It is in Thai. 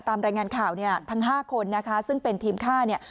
ตามรายงานข่าวเนี่ยทั้ง๕คนนะคะซึ่งเป็นทีมฆ่าเนี่ย